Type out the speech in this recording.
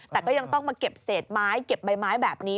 แต่ก็ยังต้องมาเก็บเศษไม้เก็บใบไม้แบบนี้